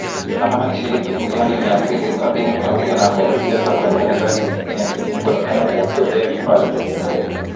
thamani shilingi milioni mia mbili sabini Chameleone amewekeza kwenye miradi mingine mikubwa inayomuongezea kipato